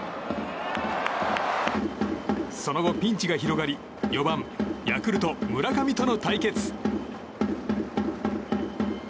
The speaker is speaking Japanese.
その後、ピンチが広がり４番、ヤクルト村上との対決。